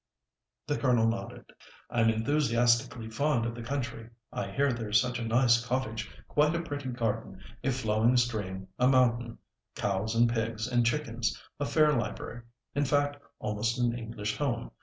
The Colonel nodded. "I'm enthusiastically fond of the country. I hear there's such a nice cottage, quite a pretty garden, a flowing stream, a mountain, cows and pigs, and chickens, a fair library—in fact, almost an English home.